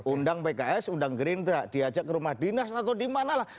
undang pks undang gerindra diajak ke rumah dinas atau di mana lah